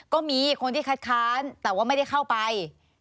ก็มีคนที่คัดค้านแต่ว่าไม่ได้เข้าไป